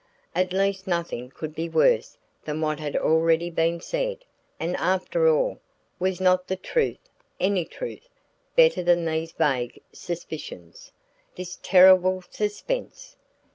At least nothing could be worse than what had already been said. And after all, was not the truth any truth better than these vague suspicions, this terrible suspense?